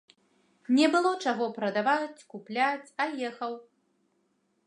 Не было чаго прадаваць, купляць, а ехаў.